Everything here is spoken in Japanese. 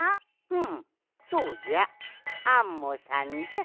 うんそうじゃアンモさんじゃ。